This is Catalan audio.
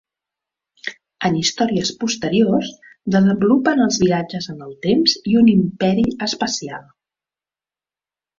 En històries posteriors, desenvolupen els viatges en el temps i un imperi espacial.